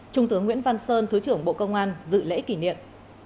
trung tướng nguyễn văn sơn thứ trưởng bộ công an dự lễ kỷ niệm